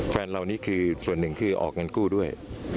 แฟนเรานี่คือส่วนหนึ่งคือออกเงินกู้ด้วย